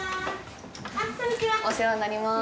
お世話になります。